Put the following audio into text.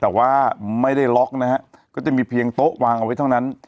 แต่ว่าไม่ได้ล็อกนะฮะก็จะมีเพียงโต๊ะวางเอาไว้เท่านั้น